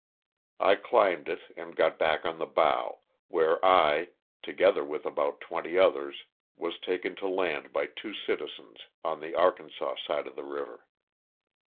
I climbed it and got back on the bow, where I, together with about twenty others, was taken to land by two citizens, on the Arkansas side of the river.